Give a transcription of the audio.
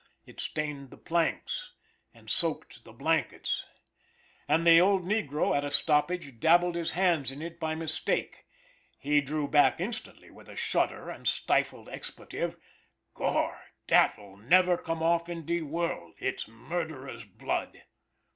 It stained the planks, and soaked the blankets; and the old negro, at a stoppage, dabbled his hands in it by mistake; he drew back instantly, with a shudder and stifled expletive, "Gor r r, dat'll never come off in de world; it's murderer's blood."